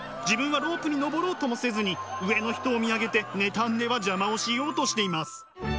自分はロープに登ろうともせずに上の人を見上げて妬んでは邪魔をしようとしています。